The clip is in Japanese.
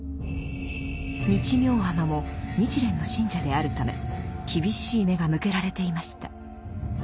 日妙尼も日蓮の信者であるため厳しい目が向けられていました。